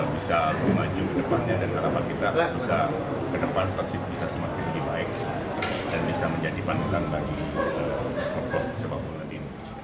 bisa memajukan ke depannya dan harapan kita bisa ke depan persib bisa semakin lebih baik dan bisa menjadi panggilan bagi pokok sebab puluhan ini